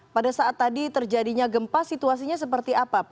pada saat tadi terjadinya gempa situasinya seperti apa pak